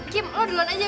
kim lo duluan aja